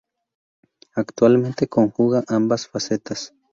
Actualmente conjuga ambas facetas.